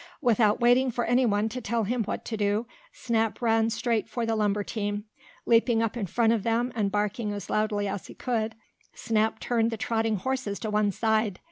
Without waiting for anyone to tell him what to do, Snap ran straight for the lumber team. Leaping up in front of them, and barking as loudly as he could, Snap turned the trotting horses to one side.